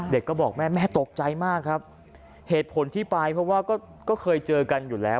เด็กก็บอกแม่แม่ตกใจมากครับเหตุผลที่ไปเพราะว่าก็เคยเจอกันอยู่แล้ว